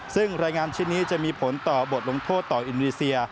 ซึ่งรายงานชิ้นนี้จะมีผลต่อบทลงโทษต่ออินโดนีเซีย